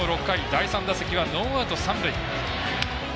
第３打席はノーアウト、三塁。